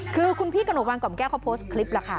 คือคุณพี่กนกวันกล่อมแก้วเขาโพสต์คลิป